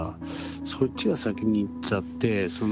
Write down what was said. そっちが先にいっちゃってその。